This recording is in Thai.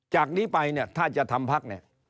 จากนี้ไปเนี่ยถ้าจะทำพักเนี่ย